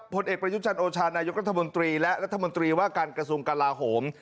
ผลเอกประยุจันทร์โอชานายกรัฐมนตรีและรัฐมนตรีว่าการกระทรวงกลาโหม